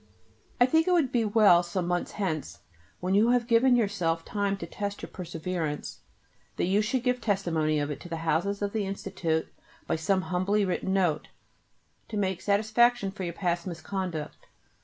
I think it would be well some months hence, when you have given yourself time to test your perseverance, that you should give testimony of it to the houses of the Institute by some humbly written note, to make satisfaction for your past misconduct.